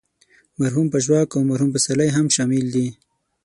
مرحوم پژواک او مرحوم پسرلی هم شامل دي.